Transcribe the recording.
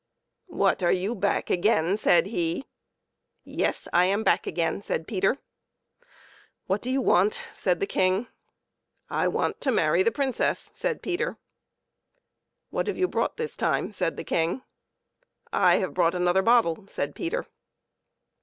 "What! are you back again ?" said he. " Yes ; I am back again," said Peter. " What do you want ?" said the King. " I want to marry the Princess," said Peter. " What have you brought this time ?" said the King. " I have brought another bottle," said Peter.